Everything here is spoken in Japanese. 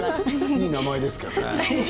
いい名前ですけれどね。